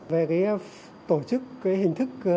về tổ chức hình thức